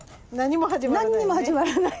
何も始まらない。